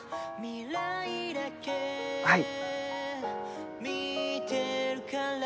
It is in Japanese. はい。